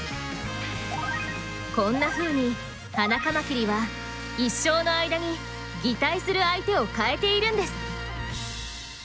こんなふうにハナカマキリは一生の間に擬態する相手を変えているんです。